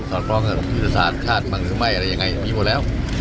สอนพร้อมเงินวิทยาศาสตร์ชาติบังคุณไหมอะไรยังไงมีหมดแล้ว